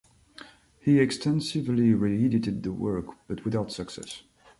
He extensively reedited the work, but without success.